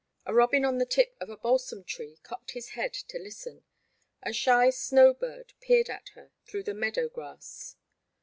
A robin on the tip of a balsam tree cocked his head to listen ; a shy snow bird peered at her through the meadow grass.